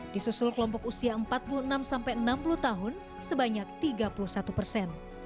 disusul kelompok usia empat puluh enam sampai enam puluh tahun sebanyak tiga puluh satu persen